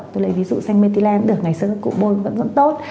tôi lấy ví dụ xanh mê tí len cũng được ngày xưa các cụ bôi vẫn vẫn tốt